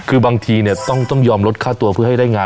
คือบางทีเนี่ยต้องยอมลดค่าตัวเพื่อให้ได้งาน